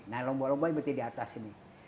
nah lomba lomba seperti di atas sini